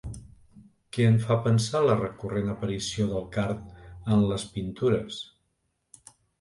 Què en fa pensar la recurrent aparició del card en les pintures?